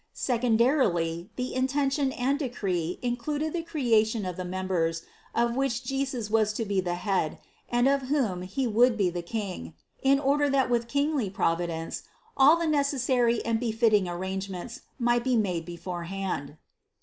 Secondarily the intention and decree included the creation of the members, of which Jesus was to be the Head, and of whom He would be the King; in order that with kingly providence, all the necessary and befitting ar rangements might be made beforehand.